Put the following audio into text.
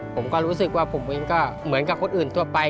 ผมก็รู้สึกว่าผมเองก็เหมือนกับคนอื่นทั่วไป